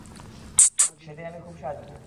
সেদিন আমি খুব সাজবো।